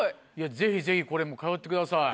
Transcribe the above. ぜひぜひこれも通ってください。